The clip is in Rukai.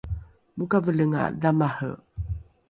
mokavolenga dhamare